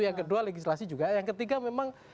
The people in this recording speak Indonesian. yang kedua legislasi juga yang ketiga memang